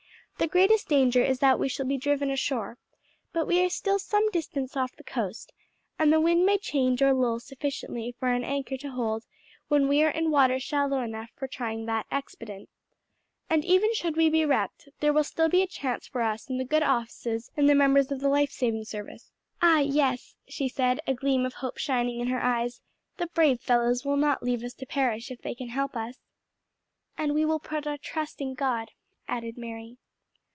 The greatest danger is that we shall be driven ashore; but we are still some distance off the coast, and the wind may change or lull sufficiently for an anchor to hold when we are in water shallow enough for trying that expedient. And even should we be wrecked, there will be still a chance for us in the good offices of the members of the life saving service." "Ah, yes," she said, a gleam of hope shining in her eyes, "the brave fellows will not leave us to perish if they can help us." "And we will put our trust in God," added Mary.